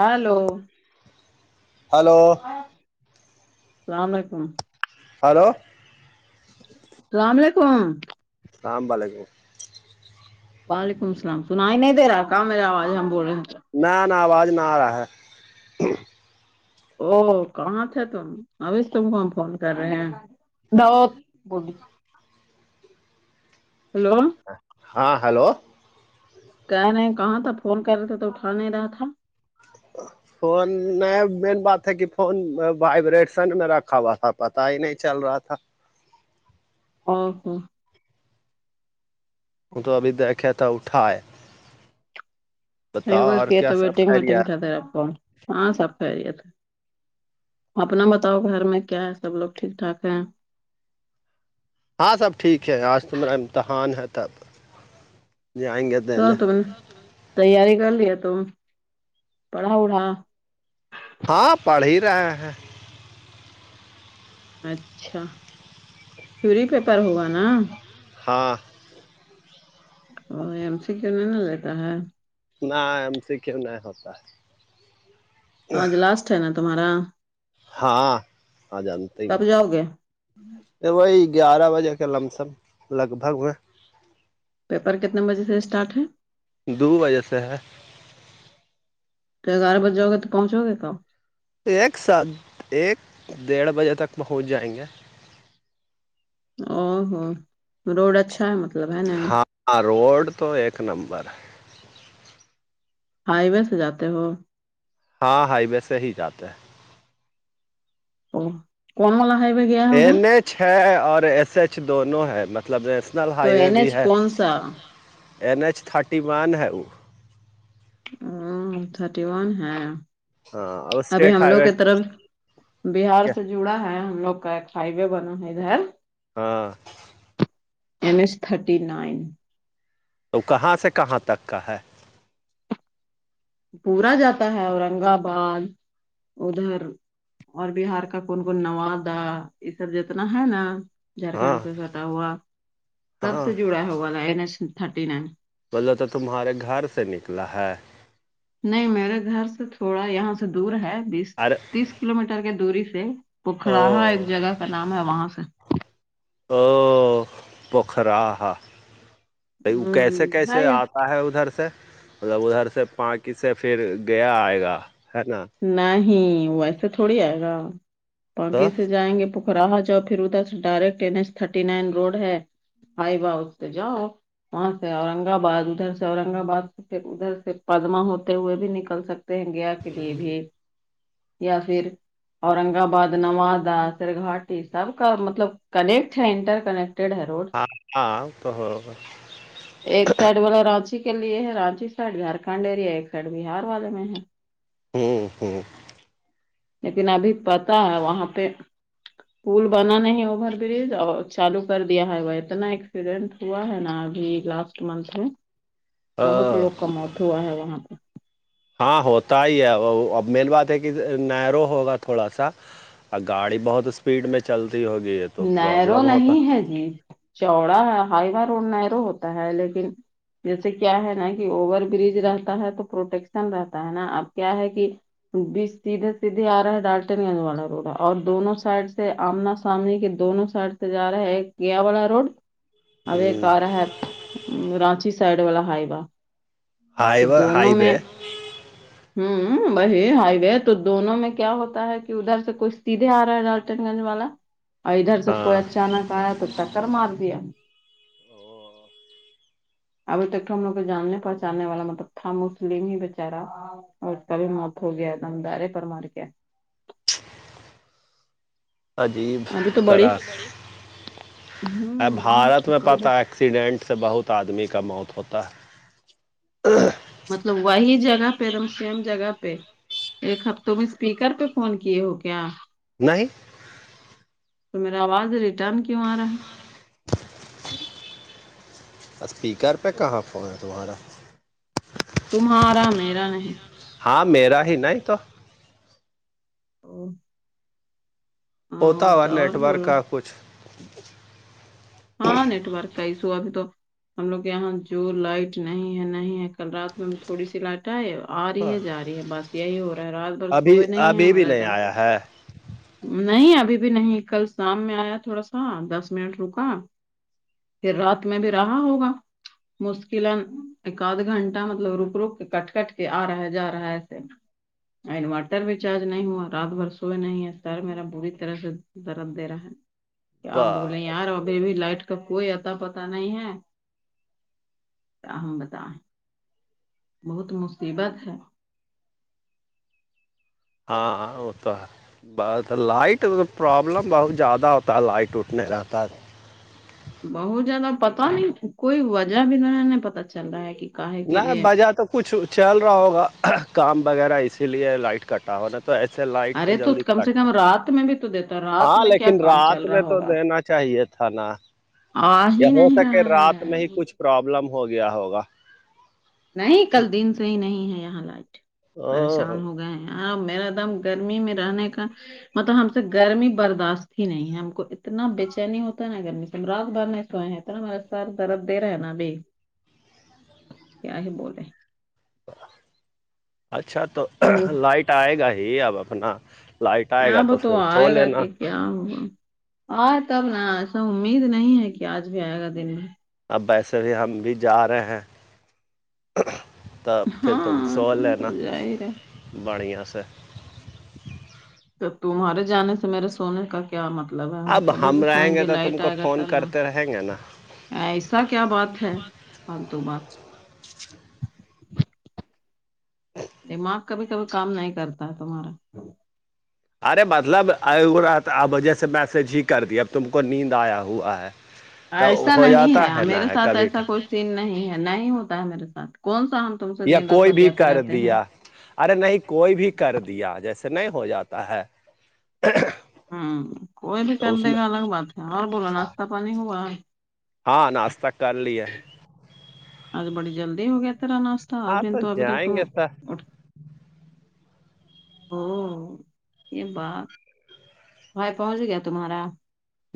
hello hello السلام علیکم hello السلام علیکم السلام علیکم وعلیکم السلام سنائی نہیں دے رہا کیا میری آواز ہم بول رہے ہیں نا نا آواز نہ آ رہا ہے اور کہاں تھے تم ابھی تم کو ہم فون کر رہے ہیں ہیلو ہاں ہیلو کہہ رہے ہیں کہاں تھا فون کر رہے تھے تو اٹھا نہیں رہا تھا فون مین بات ہے کہ فون وائبریشن میں رکھا ہوا تھا پتا ہی نہیں چل رہا تھا او ہو تو ابھی دیکھے تھے اٹھائے ایک بتاؤ بار اور کیے تھے کیا تو سب ویٹنگ ویٹنگ خیریت تھے آپ تو ہاں سب خیریت ہے اپنا بتاؤ گھر میں کیا ہے سب لوگ ٹھیک ٹھاک ہیں ہاں سب ٹھیک ہے آج تو میرا امتحان ہے تب جئیں گے تو دینے تم تیاری کر لیے تم پڑا وڑھا ہاں پڑھ ہی رہے ہیں اچھا تھوری پیپر ہوگا نا ہاں وہ ایم سی کیوں نہیں نا لیتا ہے نا ایم سی کیوں نہیں ہوتا ہے تو آج لاسٹ ہے نا تمہارا ہاں آج أنتم کب جاؤ گے وہی گیارہ بجے کے لم سم لگ بھگ میں پیپر کتنے بجے سے اسٹارٹ ہے دو بجے سے ہے تو گیارہ بجے جاؤ گے تو پہنچو گے کب ایک ساتھ ایک ڈیڑھ بجے تک پہنچ جائیں گے او ہو روڈ اچھا ہے مطلب ہے نا ہاں روڈ تو ایک نمبر ہائی وے سے جاتے ہو ہاں ہائی وے سے ہی جاتے ہیں کون والا ہائی وے گیا ہے ادھر چھ اور ایس ایچ دونوں ہے مطلب نیشنل تو ہائی وے این بھی ایچ ہے کون سا این ایچ تھرٹی ون ہے وہ او تھرٹی ون ہے ہاں اور ابھی اسٹیٹ ہم ہائی لوگ وے کی طرف بیہار کیا سے جڑا ہے ہم لوگ کا ایک ہائی وے بنا ہے ادھر ہاں این ایچ تھرٹی نائن تو کہاں سے کہاں تک کا ہے پورا جاتا ہے اورنگ آباد ادھر اور بیہار کا کون کون نوادا یہ سب جتنا ہے نا جھارکھنڈ ہاں پہ فتح ہوا تب ہاں سے جڑا ہے وہ والا این ایچ تھرٹی نائن بولے تو تمہارے گھر سے نکلا ہے نہیں میرے گھر سے تھوڑا یہاں سے دور ہے بیس ارے تیس کلو میٹر کی دوری سے او پکھرا ایک جگہ کا نام ہے وہاں سے او پکھرا ہا وہ ہ کیسے کیسے ہے یہ آ ہے ادھر سے مطلب ادھر سے پاناکی سے پھر گیا آئے گا ہے نا نہیں ویسے تھوڑی آئے گا تو پاکی سے جائیں گے رہاہا جاؤ پھر ادھر ڈائریکٹ ا ایچ تھرٹی نائن روڈ ہے آائی با جاؤ وہاں سے اورنگ آباد ادھر سے اورنگ آباد پھر ادھر سے پدما ہوتے ہوئے بھی نکل سکتے ہیں گیا کے لیے بھی یا پھر اورنگ آباد نوادہ سر گاٹی سب کا مطلب کنیکٹ ہے انٹر کنیکٹیڈ ہے روڈ ہاں ہاں تو برابر ایک سائڈ والے رانچی کے لیے ہے رانچی سائڈ جھارکھنڈ ایریا ایک سائڈ بہار والے میں ہے ہوں ہوں لیکن ابھی پتا ہے وہاں پہ پول بنا نہیں اوور برج اور چالو کر دیا ہے وہ اتنا ایکسیڈنٹ ہوا ہے نا ابھی لاس منتھ میں بہت ہاں لوگ کا موت ہوا ہے وہاں پہ ہاں ہوتا ہی ہے اب مین بات ہے کہ نرو ہوگا تھوڑا سا اور گاڑی بہت اسپیڈ میں چلتی ہوگی ہے نیرو نہیں ہے جی چوڑا ہائی وا روڈ نیرو ہوتا ہے لیکن جیسے کیا ہے نا کہ اوور برج رہتا ہے تو پروٹیکشن رہتا ہے نا اب کیا ہے کہ بی سیدھے سیدھے آ رہا ہے ڈالٹ والا روڈ ہے اور دونوں سائڈ سے آمنا سامنے کے دونوں سائڈ سے جا رہا ہے ایک گیا والا روڈ اب ایک ہوں، آ رہا ہے رانچی سائڈ والا ہائیبا ہائی تو و دونوں ہائی میں وے ہوں وہی ہائی وے تو دونوں میں کیا ہوتا ہے کہ ادھر سے کوئی سیدھے آ رہا ہے لالچن گنج والا اور ادھر سے کوئی ہاں اچانک آیا تو ٹکر مار دیا ابھی تک تو ہم لوگ کو جاننے پہچاننے والا مطلب تھا مسلمم ہی بچارہ اور کب مت ہوگیا نم دار پرمارک عجیب ابھی تو بڑی طرح ا ہوں بھارت میں پت ہے ایکسیڈنٹ سے بہت آدمی کا موت ہوتا ہے مطلب وہی جگہ پہ دم سیم جگہ پہ ایک ہفتوں میں اسپیکر پہ فون کیے ہو کیا نہیں تو میرا آواز ریٹرن کیوں آ رہا ہے اسپیکر پہ کہاں فون ہے تمہارا تمہارا میرا نہیں ہاں میرا ہی نہیں تو تو ہاں، پتاور نیٹ اور ورک بولو کا کچھ ہاں نیٹورک آئی سو ابھی تو ہم لوگ یہاں جو لائٹ نہیں ہے نہیں ہے کل رات میں تھوڑی سی لٹ ہے آ رہی ہے جا رہی ہے بس یہی ہو رہا ہے رات بھر ابھی سوئے نہیں ہے ابھی ہمارا نہیں آیا ہے دم نہیں ابھی بھی نہیں کل شام میں آیا تھوڑا سا دس منٹ رکا پھر رات میں بھی رہا ہوگا مشکلن ایک آدھ گھنٹہ مطلب رک رک کے کٹ کٹ کے آ رہا ہے جا رہا ہے ایسے انورٹر بھی چارج نہیں ہوا رات بھر سوئے نہیں ہے سر میرا پوری طرح سے درد دے رہا ہے کہ ب آپ بولیں یار ابھی لائٹ کا کوئی اتا پتا نہیں ہے ہاں بتا بہت مصیبت ہے ہاں ہوتا ہے بس لائٹ پرابلم بہت زیادہ ہوتا ہے لائٹ اٹھنے رہتا ہے بہت زیادہ پتا نہیں کوئی وجہ بھی تو نہیں پتا چل رہا ہے کہ کاہے کے نہ لیے وجہ تو کچھ چل رہا ہوگا کام وغیرہ اسی لیے لائٹ کٹا ہوا تو ایسے لائٹ تو ارے جلدی کم سے کٹ ہے کم رات میں بھی تو دیتا رات ہاں میں کیا لیکن کام چل رات رہا میں تو ہوگا دینا چاہیے تھا نا آ یا ہی ہو نہیں سکے رہا رات میں ہی ہے کچھ پروابلم ہو گیا ہوگا نہیں کل دن سے ہی نہیں ہے یہاں لائٹ پریشان ا ہو گئے ہیں ہاں میرا دم گرمی میں رہنے کا مطلب ہم سے گرمی برداشت ہی نہیں ہے ہم کو اتنا بےچینی ہوتا ہے نا گرمی سے ہم رات بھر میں سوئے ہیں ہمارا سر درد دے رہا ہے نا ابھی کیا ہی بولے اچھا تو وہ لائٹ آئے گا ہی اب اپنا لائٹ آئے گا اب تو پھر سو آئے گا لینا کہ کیا ہوا ائے تب نا ایسا امید نہیں ہے کہ آج بھی آئے گا دن میں اب ویسے بھی ہم بھی جا رہے ہیں تو پھر تم ہاں سو تم تو لینا ظاہر ہے بڑھیا سے تمہارے جانے سے میرے سونے کا کیا مطلب ہے ہم اب کبھی بھی رہیں سوئیں گے تو تم لائٹ کو آئے گا فون تب نا کرتے رہیں گے نا ایسا کیا بات ہے فالتو بات دماغ کبھی کبھی کام نہیں کرتا ہے تمہارا ارے مطلب یہ ہو رہا تھا اب وجہ سے میسج ہی کر دیا اب تم کو نیند آیا ہوا ہے تو ایسا ہو نہیں ہے جاتا نا میرے ساتھ کبھی ایسا کبھی کوئی سین نہیں ہے نہیں ہوتا ہے میرے ساتھ کون سا ہم تم سے یا دن رات کوئی بھی بتیاتے کر رہتے ہیں دیا ارے نہیں کوئی بھی کر دیا جیسے نہیں ہو جاتا ہے ہوں کوئی بھی کر تو اس دے میں گا الگ بات ہے اور بولو ناشتہ پانی ہوا ہاں ناشتہ کر لیے آج بڑی جلدی ہو گیا تیرا ناشہ آپ ہاں نے تو ابھی تک تو جائیں گے سر اٹھ او یہ بات بھائی پہنچ گیا تمہارا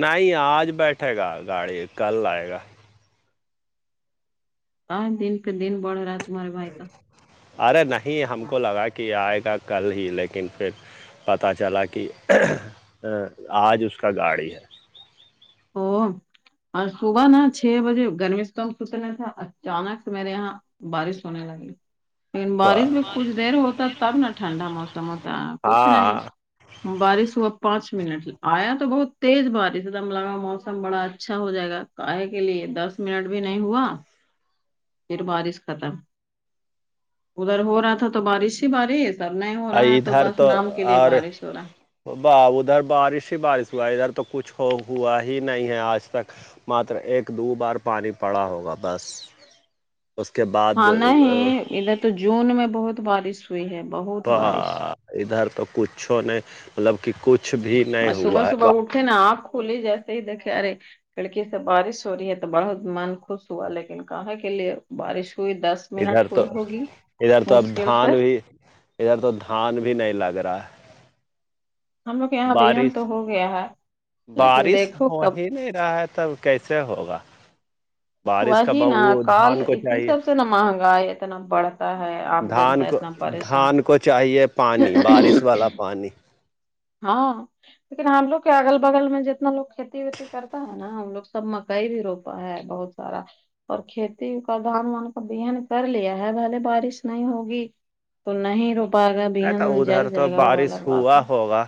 نہیں آج بیٹھے گا گاڑی کل آئے گا ہاں دن پہ دن بڑھ رہا ہے تمہارے بھائی کا ارے نہیں ہم کو لگا کہ آئے گا کل ہی لیکن پھر پتہ چلا کہ آج اس کا گاڑی ہے او آج صبح نا چھ بجے گرمی سے تو اتنا تھا اچانک سے میرے یہاں بارش ہونے لگی لیکن واہ، بارش بھی کچھ دیر ہوتا تب نا ٹھنڈا موسم ہوتا کچھ ہاں نہیں ہاں بارش ہوا پانچ منٹ آیا تو بہت تیز بارش ایک دم لگا موسم بڑا اچھا ہو جائے گا کاہے کے لیے دس منٹ بھی نہیں ہوا پھر بارش ختم ادھر ہو رہا تھا تو بارش ہی بارش سرنا ہو رہا ہے تو بس نام کے لیے بارش ہو رہا ہے باہ ادھر بارش ہی بارش ہوا ادھر تو کچھ ہو ہوا ہی نہیں ہے آج تک ماتر ایک دو بار پانی پڑا ہوگا بس [unintelligible] اس کے بعد ہاں اہ، نہیں ادھر تو جون میں بہت بارش ہوئی ہے بہت با، بارش ادھر تو کچھو نہیں مطلب کہ کچھ بھی نہیں اور صبح ہوا ہے صبح اٹھے نا آپ کھلی جیسے ہی دیکھے رے لھڑکی سے بارش ہو رہی ہے تو بہت من خوش ہوا لیکن کہاں کے لیے بارش ہوئی دس ادھر منٹ تو ہوئی ہوگی ادھر تو اب مشکل دھان سے بھی ادھر تو دھان بھی نہیں لگ رہا ہے ہم لوگ یہاں بہن بارش تو ہو گیا ہے لیکن بارش دیکھو ہو کب ہی نہیں رہا ہے تب کیسے ہوگا بارش کا وہی بہ نا وہ کال دھان کو اسی چاہیے سب سے نہ مہنگا ہے اتنا بڑھ ہے عام جنتا دھان کو اتنا پریشان دھان کو چاہیے پانی بارش والا پانی ہاں لیکن ہم لوگ کے اگل بگل میں جتنا لوگ کھیتی ویتی کرتا ہے نا ہم لوگ سب مکئی بھی روپا ہے بہت سارا اور کھیتی کا دھان وان کا بیہن کر لیا ہے بلے بارش نہیں ہوگی تو نہیں رو پائے گا بہن تو جل ادھر تو جائے گا وہ بارش الگ بات ہوا ہے ہوگا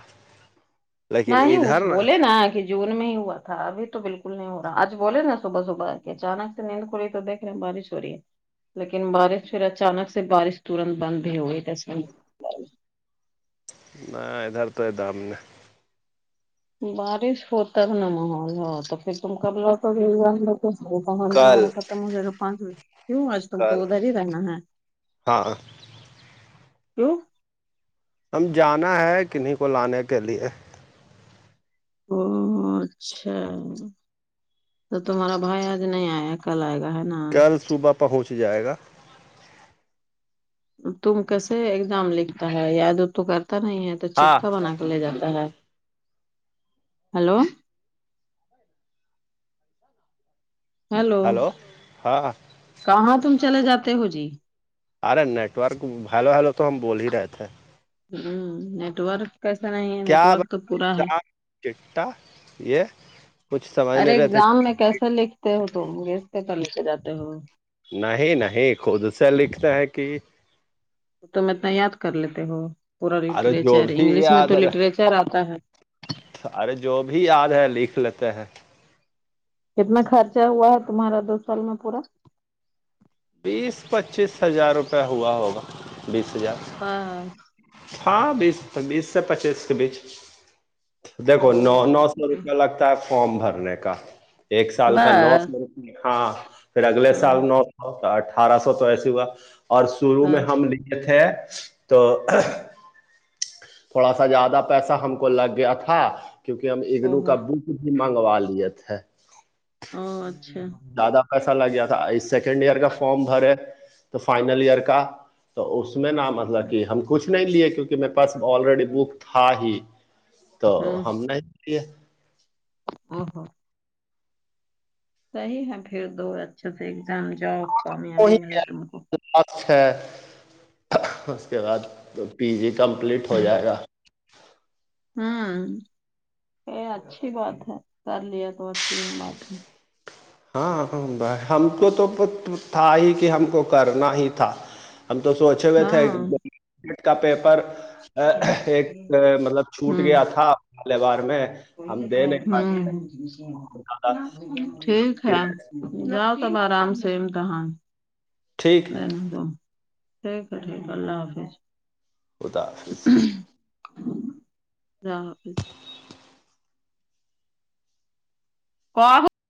نہ لیکن ہی اس ادھر بولے نا کہ جون میں ہی ہوا تھا ابھی تو بالکل نہیں ہو رہا آج بولے نا صبح صبح اچانک سے نیند کھلی تو دیکھ رہے ہیں بارش ی لیکن بارش پھر اچانک سے بارش ترنت بند بھی ہو گئی تسے نہ ادھر تو یہ دام نہیں بارش ہوتا ہے نا محول ہو تو پھر تم کا بک پ کل تمہارا ختم ہو جائے گا پانچ بج کیوں آج تم کو ادھر ہی رہنا ہے ہاںاں کیوں ہم جانا ہے کنہیں کو لانے کے لیے او اچھا تو تمہارا بھائی آج نہیں آیا کلائے گا ہے نا کل صبح پہنچ جائے گا تم کیسے ایگزام لکھتا ہے یاد تو کرتا نہیں ہے تو ہاں چٹکا بنا کے لے جاتا ہے ہلو [unintelligible] ہیلو ہلو ہاں کہاں تم چلے جاتے ہو جی ارے نیٹ ورک ہیلو ہیلو تو ہم بول ہی رہے تھے ہ نیٹ ورک کیسا نہیں ہے کیا نیٹورک تو بتا پورا ہے ایگزام چٹا یہ کچھ سمجھ ارے نہیں رہے تھے ایگزام میں کیسے لکھتے ہو تو گیس کے کر لکھ جاتے ہو نہیں نہیں خود سےا لکھتا ہے کہ تو میں اتنا یاد کر لیتے ہو پورا ارے جو لٹریچر بھی انگلش میں یاد تو لٹریچر آتا ہے ارے جو بھی یاد ہے لکھ لیتے ہیں کتنا خرچہ ہوا ہے تمہارا دو سال میں پورا بیس پچیس ہزار روپیہ ہوا ہوگا بیس ہزار [unintelligible] ہاں بیس بیس سے پچیس کے بیچ دیکھو نو او نو سو روپیہ لگتا ہے فارم بھرنے کا ایک سال کا نو س بس روپ ہاں پھر اگلے ہاں سال نو اٹھارہ سو تو ایس ہوا اور شروع ہاں میں ہم لیے تھے تو تھوڑا سا زیادہ پیسہ ہم کو لگ گیا تھا کیونکہ ہم او اگنو ہو کا بک بھی منگوا لی تھے او اچھا زیادہ کیسا لگ گیا تھا سیکنڈ ایئر کا فارم بھرے تو فائنل ایئر کا تو اس میں نہا مطلب کہ ہم کچھ نہیں لیے کیونکہ میرے پاس آلریڈی بک تھا ہی تو ہاں ہم نہیں لیے [unintelligible] صحیح ہے پھر دو اچھے سے ایگزام جاؤ کامیابی وہی ملے تم کو ہے اس کے بعد پی جی کمپلیٹ ہو جائے گا ہوں یہ اچھی بات ہے کر لیا تو اچھی بات ہے ہاں ہم کو تو تھا ہی کہ ہم کو کرنا ہی تھا ہم تو سوچے ہوئے تھے ہاں کا پیپر ایک مطلب چھوٹ گیا تھا کال بار میں ہم ہ دے نہیں پائے زیادہ ٹھیک ہے پھر جاؤ تب آرام سے تاں ٹھیک ل ہے دو ٹھیک ہے ٹھیک ہے اللہ حافظ خدافظ [unintelligible] [unintelligible]